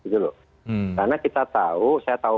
karena kita tahu saya tahu